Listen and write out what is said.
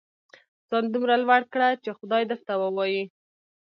ځان دومره لوړ کړه چې خدای درته ووايي.